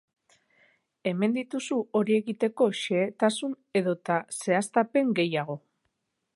Hemen dituzu hori egiteko xehetasun edota zehaztapen gehiago.